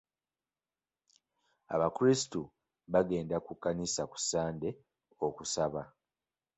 Abakulisitu bagenda ku kkanisa ku sande okusaba.